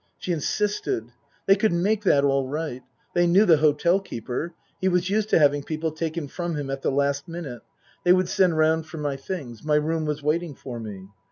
She insisted. They could make that all right. They knew the hotel keeper. He was used to having people taken from him at the last minute. They would send round for my things. My room was waiting for me.